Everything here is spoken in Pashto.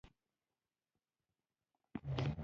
ما وپوښتل: له مس بارکلي سره دي لیدلي؟